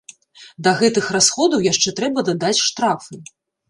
Да гэтых расходаў яшчэ трэба дадаць штрафы.